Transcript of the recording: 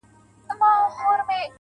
o په سپورږمۍ كي ستا تصوير دى.